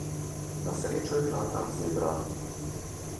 Na srečo je bila tam zebra.